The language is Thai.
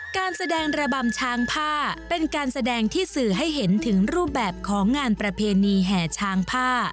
การแสดงระบำช้างผ้าเป็นการแสดงที่สื่อให้เห็นถึงรูปแบบของงานประเพณีแห่ช้างผ้า